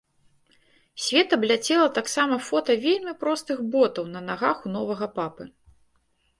Свет абляцела таксама фота вельмі простых ботаў на нагах у новага папы.